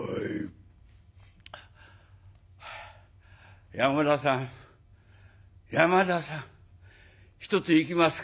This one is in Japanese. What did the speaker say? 「ゲップ！山田さん山田さん一ついきますか？」。